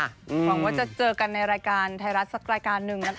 หวังว่าจะเจอกันในรายการไทยรัฐสักรายการหนึ่งนะคะ